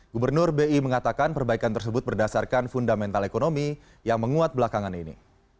gubernur bi mengatakan perbaikan tersebut berdasarkan fundamental ekonomi yang menguat belakangan ini